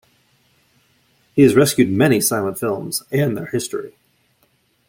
He has rescued many silent films and their history.